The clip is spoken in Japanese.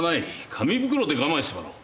紙袋で我慢してもらおう。